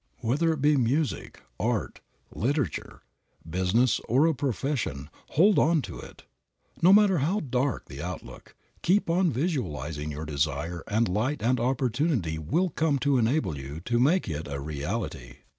Whether it be music, art, literature, business or a profession, hold to it. No matter how dark the outlook, keep on visualizing your desire and light and opportunity will come to enable you to make it a reality.